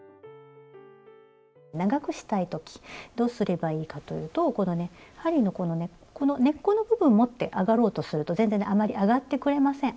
長くしたい時どうすればいいかというとこのね針のこの根っこの部分持って上がろうとすると全然ねあまり上がってくれません。